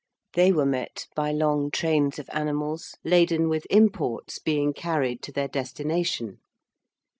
They were met by long trains of animals laden with imports being carried to their destination.